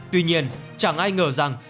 tuy nhiên chẳng ai ngờ rằng